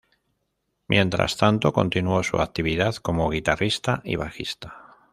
Mientras tanto, continuó su actividad como guitarrista y bajista.